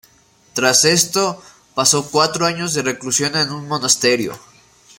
Tras esto, pasó cuatro años de reclusión en un monasterio.